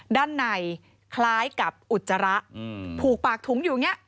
ด้านในคล้ายกับอุจจาระผูกปากถุงอยู่อย่างนี้